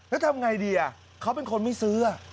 แล้วทำไงดีเขาเป็นคนไม่ซื้อ